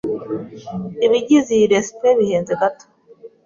Ibigize iyi resept bihenze gato.